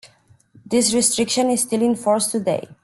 This restriction is still in force today.